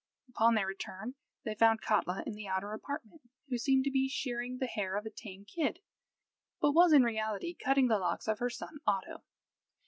Upon their return they found Katla in the outer apartment, who seemed to be shearing the hair of a tame kid, but was in reality cutting the locks of her son Oddo.